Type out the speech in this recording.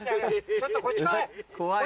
ちょっとこっち来い！